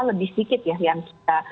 lebih sedikit ya yang kita